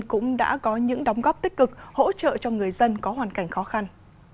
cũng đã có những đóng góp tích cực hỗ trợ cho người dân có hoàn cảnh khó khăn